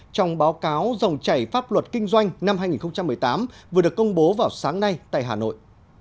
trong báo cáo dòng chảy pháp luật kinh doanh năm hai nghìn một mươi tám vừa được công bố vào sáng nay tại hà nội